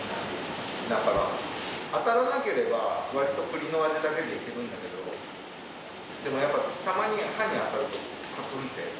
だから、当たらなければ、わりと栗の味だけでいけるんだけど、でもやっぱたまに歯に当たると、かつんって。